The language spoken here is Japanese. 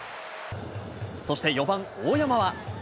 そして４番大山は。